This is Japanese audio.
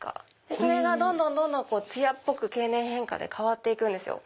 それがどんどんつやっぽく経年変化で変わって行くんです。